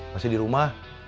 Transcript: masih di rumah